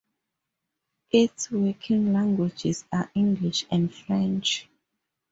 Its working languages are English and French.